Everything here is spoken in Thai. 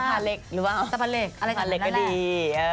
สะพะเล็กสะพะเล็กก็ดี